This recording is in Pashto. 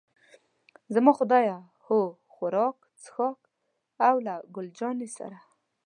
زما خدایه، هو، خوراک، څښاک او له ګل جانې سره.